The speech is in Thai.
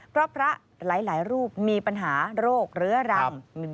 เพราะพระหลายรูปมีปัญหาโรคเรื้อรัง